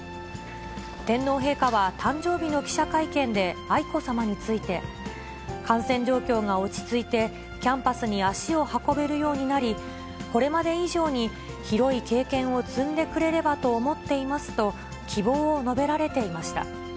天皇陛下は、誕生日の記者会見で愛子さまについて、感染状況が落ち着いて、キャンパスに足を運べるようになり、これまで以上に広い経験を積んでくれればと思っていますと希望を述べられていました。